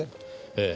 ええ。